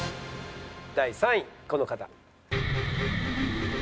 第３位この方。